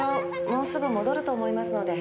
もうすぐ戻ると思いますので。